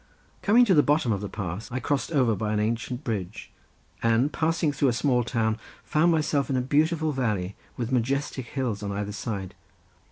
Coming to the bottom of the pass I crossed over by an ancient bridge and passing through a small town found myself in a beautiful valley with majestic hills, on either side.